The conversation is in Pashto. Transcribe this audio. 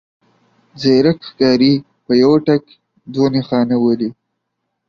ځيرک ښکاري په يوه ټک دوه نښانه ولي.